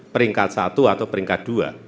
peringkat satu atau peringkat dua